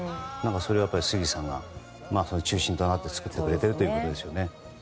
それを杉さんが中心となって作ってくれているということですね。